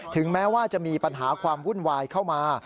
แม้ว่าจะมีปัญหาความวุ่นวายเข้ามา